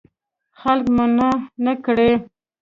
خلک منع نه کړې.